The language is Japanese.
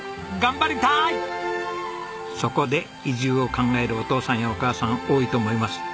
そこで移住を考えるお父さんやお母さん多いと思います。